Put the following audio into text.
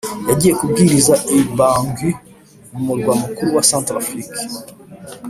Yagiye kubwiriza i Bangui mu murwa mukuru wa Centrafrique